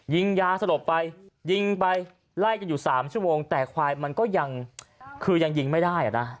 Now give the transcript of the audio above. ยิงยาสลบไปยิงไปไล่กันอยู่สามชั่วโมงแต่ควายมันก็ยังคือยังยิงไม่ได้อ่ะนะ